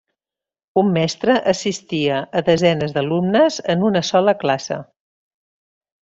Un mestre assistia a desenes d'alumnes en una sola classe.